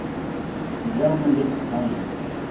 زه نن ډیر خفه یم